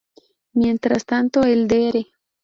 Mientras tanto, el Dr.